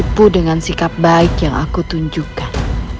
aku dengan sikap baik yang aku tunjukkan